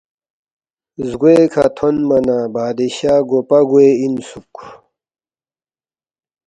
زگوے کھہ تھونما نہ بادشاہ گوپا گوے اِنسُوک